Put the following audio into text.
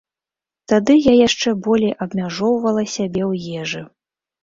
Тады я яшчэ болей абмяжоўвала сябе ў ежы.